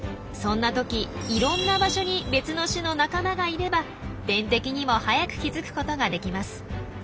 そんなときいろんな場所に別の種の仲間がいれば天敵にも早く気づくことができます。